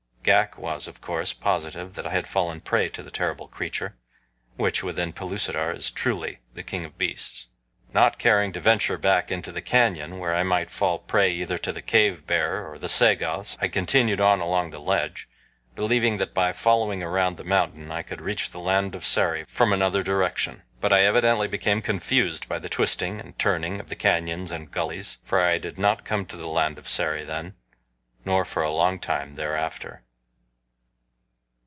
Ghak was, of course, positive that I had fallen prey to the terrible creature, which, within Pellucidar, is truly the king of beasts. Not caring to venture back into the canyon, where I might fall prey either to the cave bear or the Sagoths I continued on along the ledge, believing that by following around the mountain I could reach the land of Sari from another direction. But I evidently became confused by the twisting and turning of the canyons and gullies, for I did not come to the land of Sari then, nor for a long time thereafter.